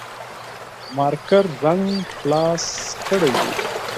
مارکر رنګ خلاص کړي دي